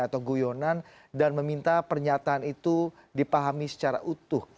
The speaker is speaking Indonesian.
atau guyonan dan meminta pernyataan itu dipahami secara utuh